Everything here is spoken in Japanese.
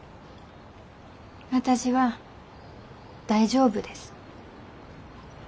私は大丈夫です。